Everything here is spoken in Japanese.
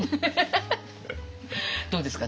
どうですか？